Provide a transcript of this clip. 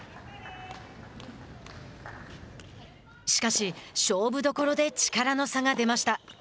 しかし、勝負どころで力の差が出ました。